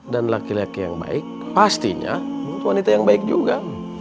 dan laki laki yang baik pastinya untuk wanita yang baik juga